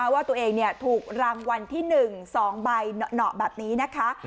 ว่าตัวเองถูกรางวัลที่๑๒ใบหนอแบบนี้นะคะ